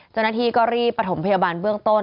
เจ้าหน้าที่ก็รีบประถมพยาบาลเบื้องต้น